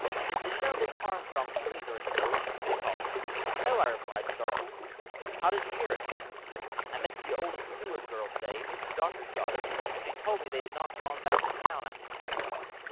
"Did you know Mrs. Armstrong and Louise are in the village?" she called. "No," I replied, startled. "How did you hear it?" "I met the oldest Stewart girl to day, the doctor's daughter, and she told me they had not gone back to town after the funeral.